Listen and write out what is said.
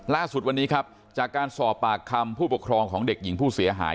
ล่าสุดวันนี้ครับจากการสอบปากคำผู้ปกครองของเด็กหญิงผู้เสียหาย